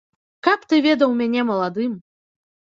Каб ты ведаў мяне маладым!